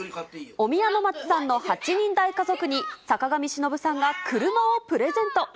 お宮の松さんの８人大家族に、坂上忍さんが車をプレゼント。